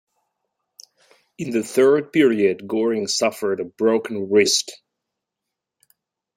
In the third period Goring suffered a broken wrist.